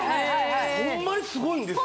ホンマにすごいんですよ